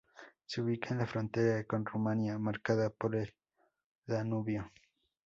Se ubica en la frontera con Rumania marcada por el Danubio.